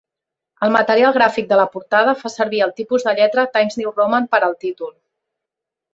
El material gràfic de la portada fa servir el tipus de lletra Times New Roman per al títol.